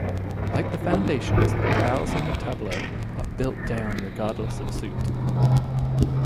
Like the foundations, the piles on the tableau are built down regardless of suit.